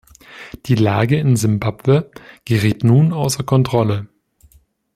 Die Lage in Simbabwe gerät nun außer Kontrolle.